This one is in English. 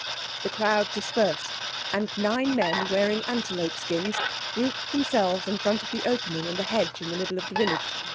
The crowd dispersed, and nine men, wearing antelope skins, grouped themselves in front of the opening in the hedge in the middle of the village.